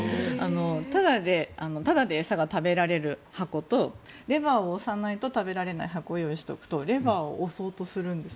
タダで餌が食べられる箱とレバーを押さないと食べられない箱を用意しておくとレバーを押そうとするんです。